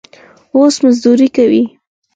اوس مزدوري کوي.